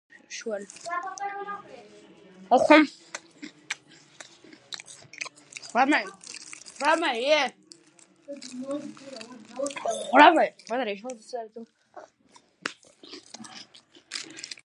ټول هوښیار او ماهر مقامات وغولول شول.